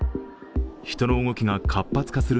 人の動きが活発化する